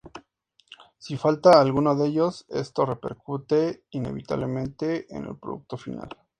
Si falta alguno de ellos, esto repercute inevitablemente en el producto final".